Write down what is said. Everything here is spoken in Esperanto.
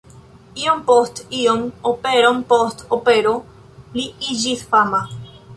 Iom post iom, operon post opero, li iĝis fama.